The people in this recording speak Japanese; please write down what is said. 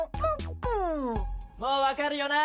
もう分かるよな？